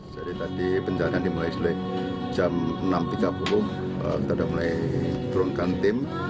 jadi tadi pencarian dimulai sejak jam enam tiga puluh kita sudah mulai turunkan tim